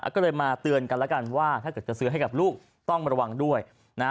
ก็เลยมาเตือนกันแล้วกันว่าถ้าเกิดจะซื้อให้กับลูกต้องระวังด้วยนะ